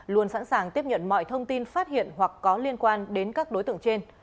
luôn sẵn sàng tiếp nhận mọi thông tin phát hiện hoặc có liên quan đến các đối tượng trên